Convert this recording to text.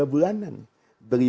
untuk belanja bulanan